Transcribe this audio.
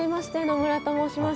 野村と申します。